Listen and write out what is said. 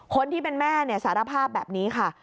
คนที่เป็นแม่สารภาพแบบนี้ค่ะ